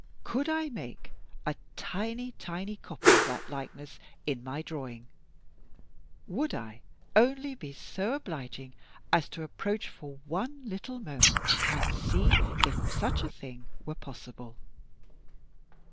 Could I make a tiny, tiny copy of that likeness in my drawing! Would I only be so obliging as to approach for one little moment, and see if such a thing were possible?